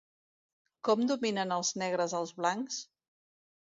Com dominen els negres als blancs?